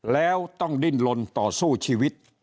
แล้วต้องดิ้นลนต่อสู้ชีวิต